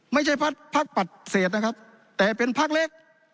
ไม่ใช่ภาคภาคปัดเสดนะครับแต่เป็นภาคเล็ก